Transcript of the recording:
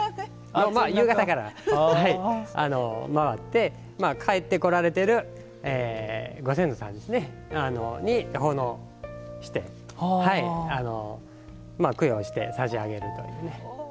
夕方から回って帰ってこられてるご先祖さんに奉納して、供養して差し上げるという。